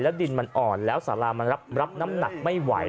ดินมันอ่อนแล้วสารามันรับน้ำหนักไม่ไหว